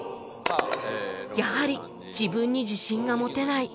やはり自分に自信が持てない